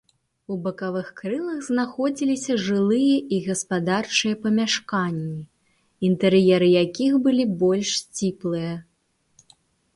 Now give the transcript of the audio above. У бакавых крылах знаходзіліся жылыя і гаспадарчыя памяшканні, інтэр'еры якіх былі больш сціплыя.